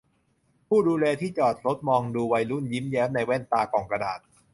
ผู้ดูแลที่จอดรถมองดูวัยรุ่นยิ้มแย้มในแว่นตากล่องกระดาษ